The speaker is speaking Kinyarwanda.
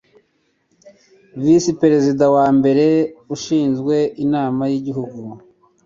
visi perezida wa mbere ushinzwe inama yigihugu